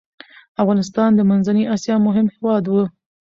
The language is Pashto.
افغانستان د منځنی اسیا مهم هیواد و.